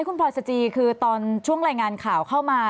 คุณพลอยสจีคือตอนช่วงรายงานข่าวเข้ามา